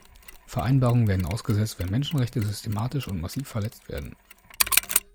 Vereinbarungen werden ausgesetzt, wenn Menschenrechte systematisch und massiv verletzt werden.